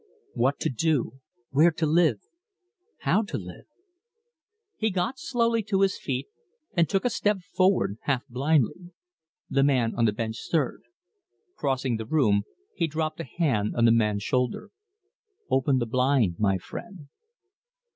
What to do where to live how to live? He got slowly to his feet and took a step forward half blindly. The man on the bench stirred. Crossing the room he dropped a hand on the man's shoulder. "Open the blind, my friend."